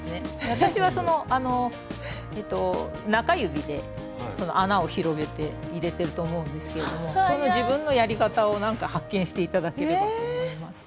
私は中指で穴を広げて入れてると思うんですけれどもその自分のやり方を発見して頂ければと思います。